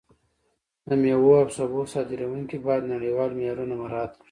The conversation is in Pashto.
د میوو او سبو صادروونکي باید نړیوال معیارونه مراعت کړي.